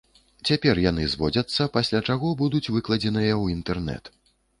Цяпер яны зводзяцца, пасля чаго будуць выкладзеныя ў інтэрнэт.